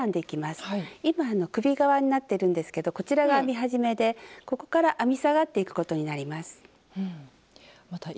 今首側になってるんですけどこちらが編み始めでここから編み下がっていくことになります。